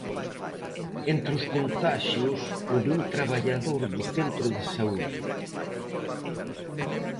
Entre os contaxios o dun traballador do centro de saúde.